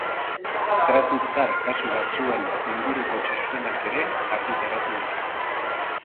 Tratu txar kasu batzuen inguruko txostenak ere argitaratu dira.